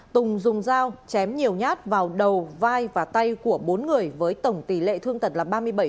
tùng dùng dao chém nhiều nhát vào đầu vai và tay của bốn người với tổng tỷ lệ thương tật là ba mươi bảy